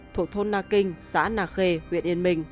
thuộc thôn nà kinh xã na khê huyện yên minh